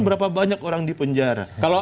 berapa banyak orang di penjara kalau